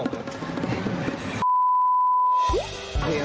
มีใครอ่ะ